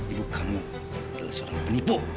ibu kamu adalah seorang penipu